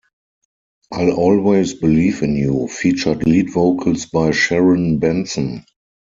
"I'll Always Believe in You" featured lead vocals by Sharon Benson.